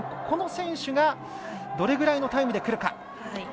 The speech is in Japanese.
この選手が、どれぐらいのタイムでくるか。